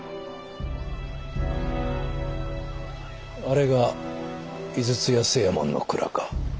あれが井筒屋清右衛門の蔵か。